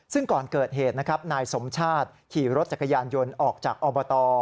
ซึ่งก่อนเกิดเหตุนะครับนายสมชาติขี่รถจักรยานยนต์ออกจากอบต